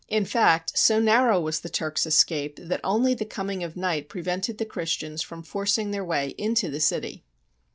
In fact, so narrow was the Turks' es cape that only the coming of night prevented the Christians from forcing their way into the city.